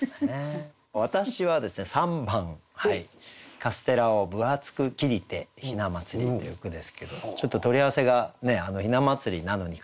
私はですね３番「カステラを分厚く切りて雛祭」という句ですけどちょっと取り合わせが雛祭なのにカステラ。